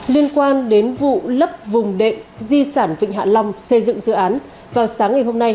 liên quan đến vụ lấp vùng đệm di sản vịnh hạ long xây dựng dự án vào sáng ngày hôm nay